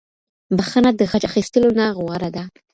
بښنه د غچ اخيستلو نه غوره ده.